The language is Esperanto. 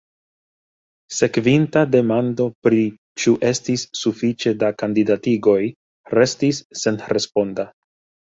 Sekvinta demando pri ĉu estis sufiĉe da kandidatigoj restis senresponda.